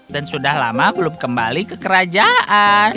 dan sudah lama belum kembali ke kerajaan